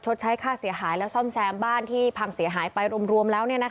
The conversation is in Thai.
ใช้ค่าเสียหายและซ่อมแซมบ้านที่พังเสียหายไปรวมแล้ว